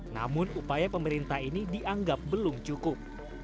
namun upaya pemerintah ini dianggap belum cukup